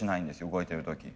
動いてる時。